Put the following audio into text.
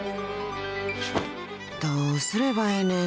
［どうすればええねん。